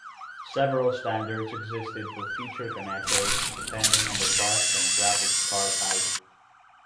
Several standards existed for "feature connectors", depending on the bus and graphics card type.